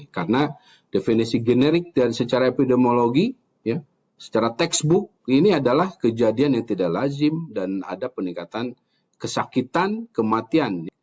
karena definisi generik dan secara epidemiologi ya secara textbook ini adalah kejadian yang tidak lazim dan ada peningkatan kesakitan kematian